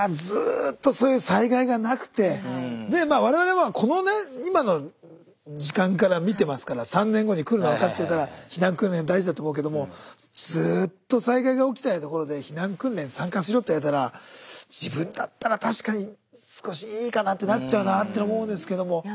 ずっとそういう災害がなくてで我々はこのね今の時間から見てますから３年後に来るの分かってるから避難訓練大事だと思うけどもずっと災害が起きてない所で避難訓練参加しろって言われたら自分だったら確かに少しいいかなってなっちゃうなって思うんですけども。